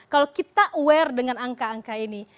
kalau kita aware dengan angka angka ini